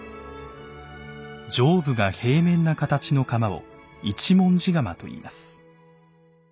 上部が平面な形の釜を「一文字釜」といいます。